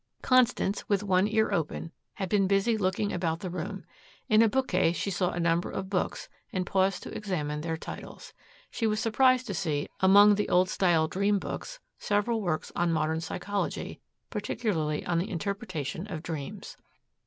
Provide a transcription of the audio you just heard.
Constance, with one ear open, had been busy looking about the room. In a bookcase she saw a number of books and paused to examine their titles. She was surprised to see among the old style dream books several works on modern psychology, particularly on the interpretation of dreams.